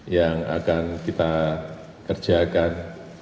yang akan kita kerjakan